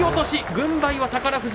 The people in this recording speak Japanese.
軍配は宝富士。